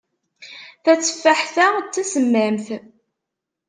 Tateffaḥt-a d tasemmamt.